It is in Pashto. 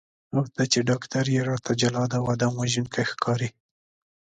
او ته چې ډاکټر یې راته جلاد او آدم وژونکی ښکارې.